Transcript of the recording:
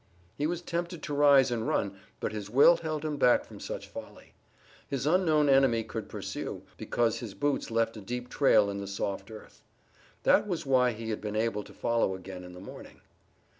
He was tempted to rise and run, but his will held him back from such folly. His unknown enemy could pursue, because his boots left a deep trail in the soft earth. That was why he had been able to follow again in the morning.